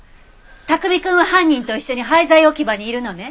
卓海くんは犯人と一緒に廃材置き場にいるのね。